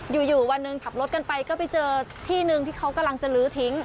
อยู่วันหนึ่งขับรถกันไปก็ไปเจอที่หนึ่งที่เขากำลังจะลื้อทิ้ง